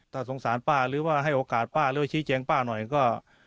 ถ้าสงสารป้าหรือว่าให้โอกาสป้าหรือว่าชี้แจงป้าหน่อยก็